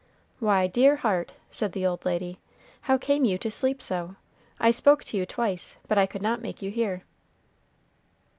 "Why, dear heart," said the old lady, "how came you to sleep so? I spoke to you twice, but I could not make you hear."